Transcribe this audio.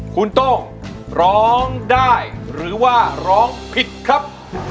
คุณโต้งร้องได้หรือว่าร้องผิดครับ